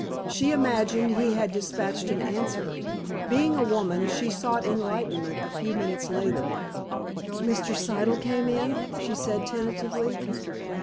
She imagined he had dispatched an answer. Being a woman, she sought enlightenment a few minutes later. "Mr. Siddle came in," she said tentatively.